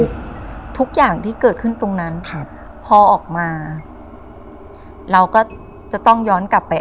ทุกอย่างที่เกิดขึ้นตรงนั้นครับพอออกมาเราก็จะต้องย้อนกลับไป